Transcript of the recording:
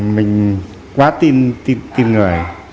mình quá tin người